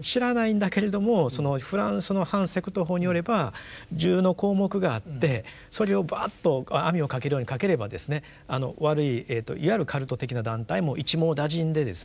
知らないんだけれどもフランスの反セクト法によれば１０の項目があってそれをバッと網をかけるようにかければですね悪いいわゆるカルト的な団体も一網打尽でですね